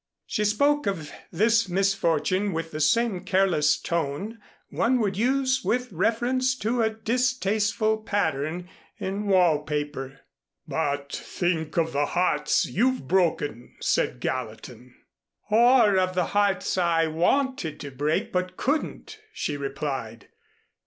She spoke of this misfortune with the same careless tone one would use with reference to a distasteful pattern in wall paper. "But think of the hearts you've broken," said Gallatin. "Or of the hearts I wanted to break but couldn't," she replied.